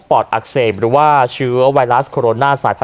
อดอักเสบหรือว่าเชื้อไวรัสโคโรนาสายพันธ